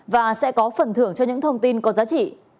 và sẽ có phần thưởng cho những thông tin có giá trị